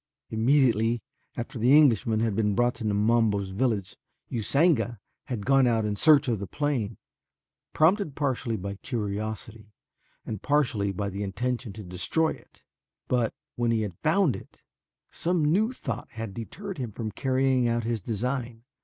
Immediately after the Englishman had been brought to Numabo's village Usanga had gone out in search of the plane, prompted partially by curiosity and partially by an intention to destroy it, but when he had found it, some new thought had deterred him from carrying out his design.